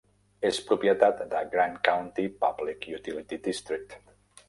És propietat de Grant County Public Utility District.